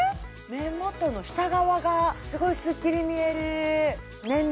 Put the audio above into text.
目元の下側がすごいスッキリ見えるー